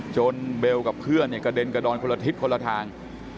เบลกับเพื่อนกระเด็นกระดอนคนละทิศคนละทาง